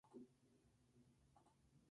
Cáliz campanulado, de color verde-purpúreo.